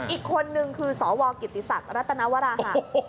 อีกคนนึงคือสวกิติศักดิ์รัตนวราหะ